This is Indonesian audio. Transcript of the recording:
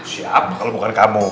siap kalau bukan kamu